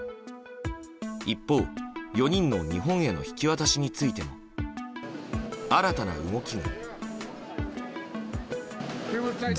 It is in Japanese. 一方、４人の日本への引き渡しについて新たな動きが。